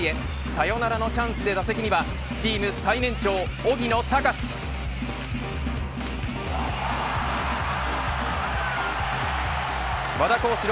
サヨナラのチャンスで打席にはチーム最年長荻野貴司。